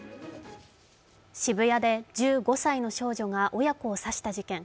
渋谷で１５歳の少女が親子を刺した事件。